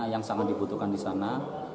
yang sangat dibutuhkan di sana